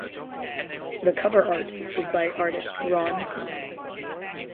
The cover art is by artist Ron Cobb.